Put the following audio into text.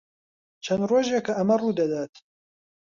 چەند ڕۆژێکە ئەمە ڕوو دەدات.